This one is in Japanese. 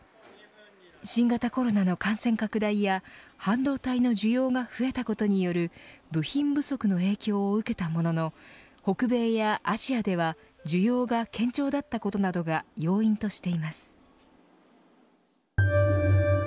新型コロナの感染拡大や半導体の需要が増えたことによる部品不足の影響を受けたものの北米やアジアでは需要が堅調だったことなどが要因としています。